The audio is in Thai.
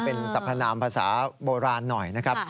เป็นสัพพนามภาษาโบราณหน่อยนะครับ